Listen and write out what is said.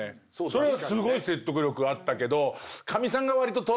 それは説得力あったけど。